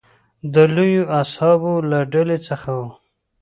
د لویو اصحابو له ډلې څخه و.